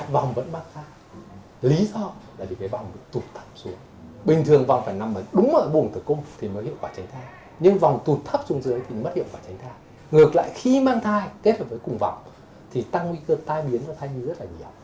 vòng tránh thai ngược lại khi mang thai kết hợp với cùng vòng tăng nguy cơ thai biến và thai biến rất nhiều